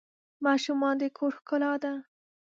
ماشومان د کور ښکلا ده.